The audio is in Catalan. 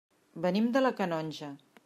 Venim de la Canonja.